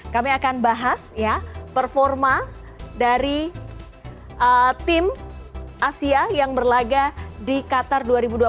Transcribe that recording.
kami akan bahas performa dari tim asia yang berlaga di qatar dua ribu dua puluh tiga